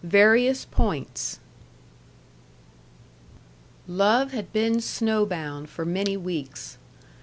VARIOUS POINTS Love had been snowbound for many weeks.